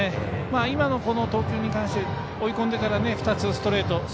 今の投球に関して追い込んでから２つ、ストレート。